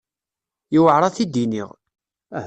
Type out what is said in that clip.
Yewɛeṛ ad t-id-iniɣ.